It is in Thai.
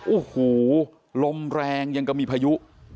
โอ้โหลมแรงยังก็มีพายุ